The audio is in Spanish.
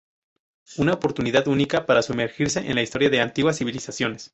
Una oportunidad única para sumergirse en la historia de antiguas civilizaciones.